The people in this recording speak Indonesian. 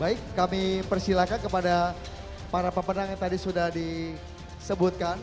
baik kami persilahkan kepada para pemenang yang tadi sudah disebutkan